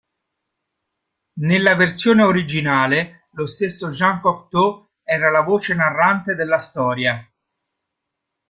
Nella versione originale lo stesso Jean Cocteau era la voce narrante della storia.